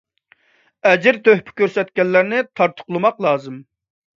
ئەجىر - تۆھپە كۆرسەتكەنلەرنى تارتۇقلىماق لازىم.